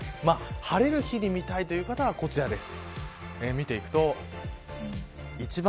晴れる日に見たいという方はこちらです。